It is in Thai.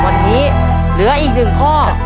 วันนี้เหลืออีก๑ข้อ